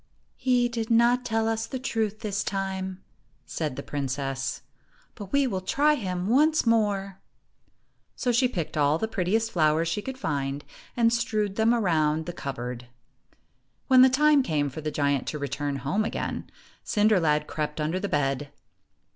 "He did not tell us the truth this time," said the princess, "but we will try him once more." So she picked all the prettiest flowers she could find, and strewed them around the cupboard. When the time came for the giant to return home again, Cinder lad crept under the bed.